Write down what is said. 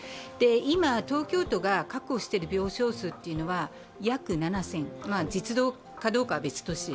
今、東京都が確保している病床数は約７０００、実働かどうかは別として。